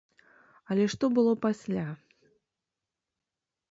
Але што было пасля?